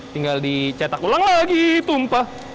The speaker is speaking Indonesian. tinggal dicetak ulang lagi tumpah